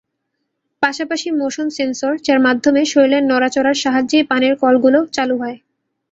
পাশাপাশি motion sensor, যার মাধ্যমে শরীরের নড়াচড়ার সাহায্যেই পানির কলগুলো চালু হয়।